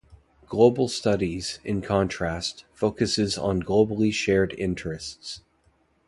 Global studies, in contrast, focuses on globally shared issues.